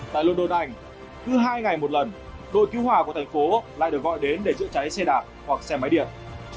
tại london anh cứ hai ngày một lần đội cứu hỏa của thành phố lại được gọi đến để giữ cháy xe đạp hoặc xe máy điện